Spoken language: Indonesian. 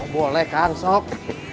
boleh kan sok